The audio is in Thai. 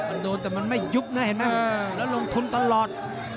มันโดนแต่มันไม่ยุบนะเห็นไหมแล้วลงทุนตลอด